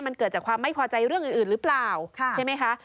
มันเกิดจากความไม่พอใจเรื่องอื่นหรือเปล่าใช่ไหมคะ